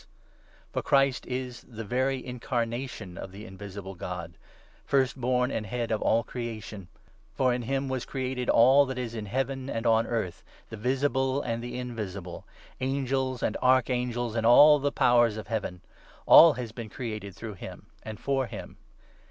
His For Christ is the very incarnation of the invisible Pre eminence, God — First born and Head of all creation ; for in him was created all that is in Heaven and on earth, the visible and the invisible — Angels and Archangels and all the Powers of Heaven. All has been created through him and for him.